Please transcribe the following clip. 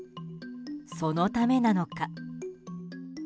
そのためなのか。